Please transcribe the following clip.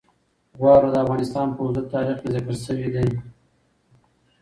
واوره د افغانستان په اوږده تاریخ کې ذکر شوی دی.